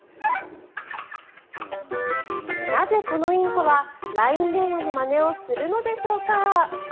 なぜ、このインコはＬＩＮＥ電話のまねをするのでしょうか。